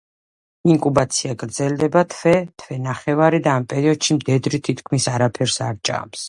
ინკუბაცია გრძელდება თვე, თვე ნახევარი და ამ პერიოდში მდედრი თითქმის არაფერს არ ჭამს.